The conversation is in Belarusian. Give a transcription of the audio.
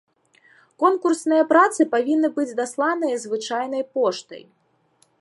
Конкурсныя працы павінны быць дасланыя звычайнай поштай.